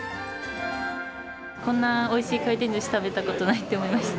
こんなおいしい回転ずし食べたことないって思いました。